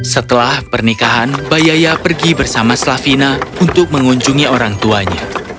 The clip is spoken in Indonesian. setelah pernikahan bayaya pergi bersama slavina untuk mengunjungi orang tuanya